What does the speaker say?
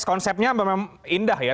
konsepnya memang indah ya